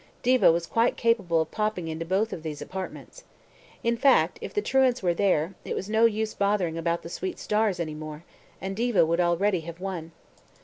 Diva was quite capable of popping into both of these apartments. In fact, if the truants were there, it was no use bothering about the sweet stars any more, and Diva would already have won.